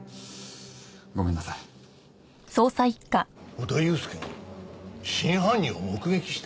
小田悠介が真犯人を目撃した？